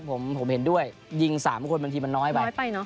ผมเห็นด้วยยิง๓คนบางทีมันน้อยไปเนอะ